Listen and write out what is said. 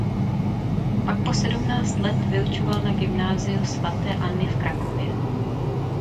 Pak po sedmnáct let vyučoval na gymnáziu svaté Anny v Krakově.